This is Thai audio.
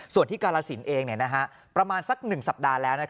ส่วนที่กาลสินเองประมาณสัก๑สัปดาห์แล้ว